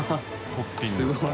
トッピング。